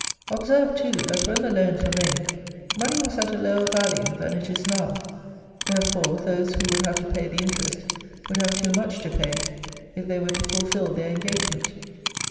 Observe, too, that when the loans were made, money was at a lower value than it is now; therefore, those who would have to pay the interest, would have too much to pay if they were to fulfil their engagement.